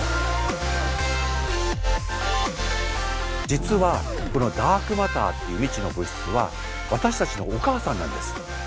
実はこのダークマターっていう未知の物質は私たちのお母さんなんです。